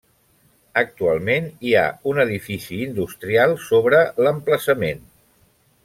Actualment hi ha un edifici industrial sobre l'emplaçament.